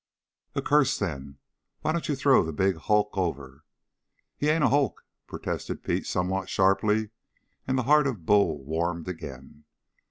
A curse, then, "Why don't you throw the big hulk over?" "He ain't a hulk," protested Pete somewhat sharply, and the heart of Bull warmed again.